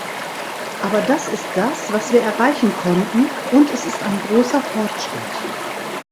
Aber das ist das, was wir erreichen konnten, und es ist ein großer Fortschritt.